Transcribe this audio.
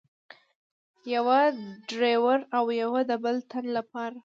یوه د ډریور او یوه د بل تن له پاره.